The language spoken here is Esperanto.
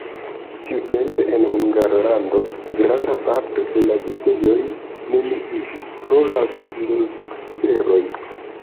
Tiutempe en Hungarlando granda parto de la vitejoj neniiĝis pro la filokseroj.